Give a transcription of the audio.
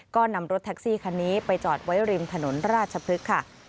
ก็นำรถแท็กซี่คันนี้ไปจอดไว้ริมถนนราชพฤกษ์ค่ะ